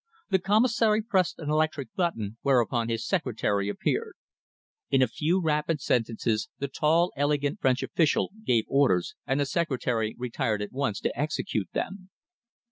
The Commissary pressed an electric button, whereupon his secretary appeared. In a few rapid sentences the tall, elegant French official gave orders, and the secretary retired at once to execute them.